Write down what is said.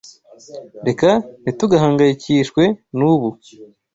Reka ntitugahangayikishwe nubu.